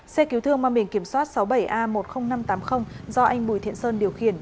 xe cứu thương mang biển kiểm soát sáu mươi bảy a một mươi nghìn năm trăm tám mươi do anh bùi thiện sơn điều khiển